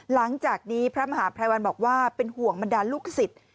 หลังจากนี้พระมหาภัยวันบอกว่าเป็นห่วงบรรดาลูกศิษย์